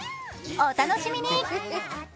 お楽しみに。